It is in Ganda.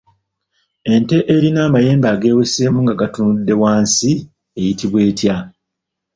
Ente erina amayembe ageeweseemu nga gatunudde wansi eyitibwa etya?